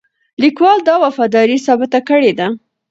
لیکوال دا وفاداري ثابته کړې ده.